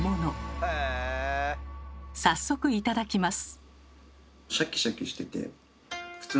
早速頂きます。